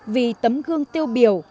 vì tấm gương tiêu biểu